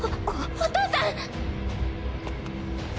お父さん⁉